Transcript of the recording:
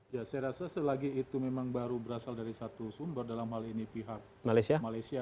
ya saya rasa selagi itu memang baru berasal dari satu sumber dalam hal ini pihak malaysia